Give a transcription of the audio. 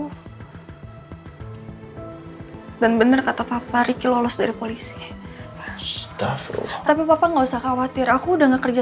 hai dan bener kata papa riki lolos dari polisi tapi papa nggak usah khawatir aku udah ngekerja